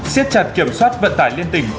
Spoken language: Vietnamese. xếp chặt kiểm soát vận tải liên tỉnh